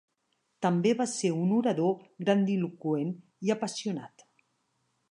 També va ser un orador grandiloqüent i apassionat.